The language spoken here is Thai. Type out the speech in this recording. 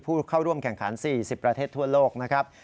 ผู้เข้าร่วมแข่งขัน๔๐ประเทศทั่วโลกนะครับ